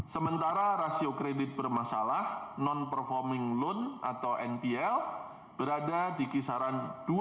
sementara rasio kredit bermasalah non performing loan atau npl berada di kisaran dua